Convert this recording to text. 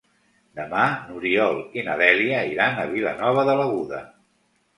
Demà n'Oriol i na Dèlia iran a Vilanova de l'Aguda.